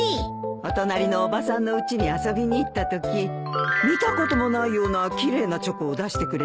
お隣のおばさんのうちに遊びに行ったとき見たこともないような奇麗なチョコを出してくれてね。